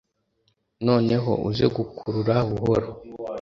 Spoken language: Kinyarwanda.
noneho uze gukurura buhoro.